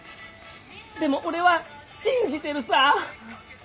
でも俺は信じてるさ。